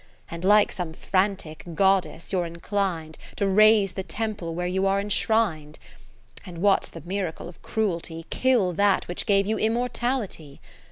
And, like some frantic Goddess, you're inclin'd, 21 To raze the temple where you are enshrin'd. And, what 's the miracle of cruelty. Kill that which gave you immortality.